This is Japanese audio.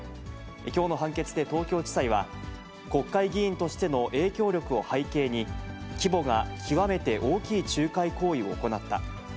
きょうの判決で東京地裁は、国会議員としての影響力を背景に、規模が極めて大きい仲介行為を行った。